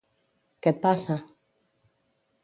Què et passa?